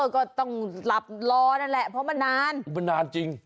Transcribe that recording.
ก็ต้องหลบลอนั่นแหละต้องรอนานนานจริง